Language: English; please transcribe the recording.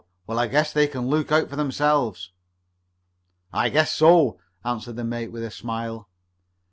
Well, I guess they can look out for themselves." "I guess so," answered the mate with a smile.